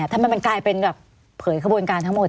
ทำไมมันกลายเป็นแบบเผยขบวนการทั้งหมด